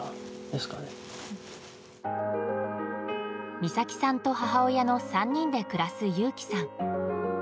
美咲さんと母親の３人で暮らす祐樹さん。